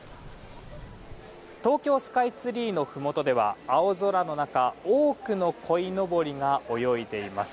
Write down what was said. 東京スカイツリーのふもとでは青空の中、多くのこいのぼりが泳いでいます。